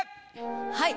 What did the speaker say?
はい。